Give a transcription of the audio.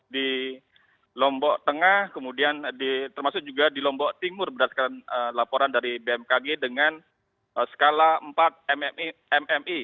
di lombok tengah kemudian termasuk juga di lombok timur berdasarkan laporan dari bmkg dengan skala empat mmi